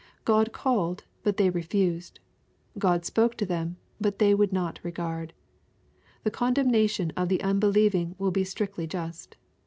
God called, but they refused. God spoke to them, but they would not regard. The a^ndemnation of the unbelieving will be strictly just.